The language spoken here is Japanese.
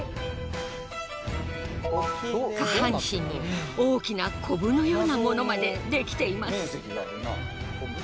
下半身に大きなコブのようなものまでできています。